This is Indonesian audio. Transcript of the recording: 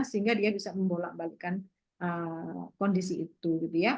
sehingga dia bisa membalikkan kondisi itu